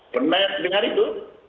pernah dengar itu